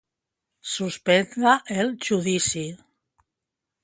Suspendre el judici.